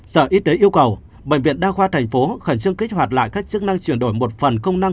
sở y tế yêu cầu bệnh viện đa khoa thành phố khẩn trương kích hoạt lại các chức năng chuyển đổi một phần công năng